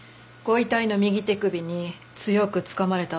ご遺体の右手首に強くつかまれた痕が。